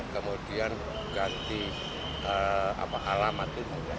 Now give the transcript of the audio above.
kemudian ganti alamat